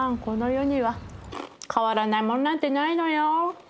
この世には変わらないものなんてないのよ。